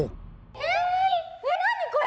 えっ何これ！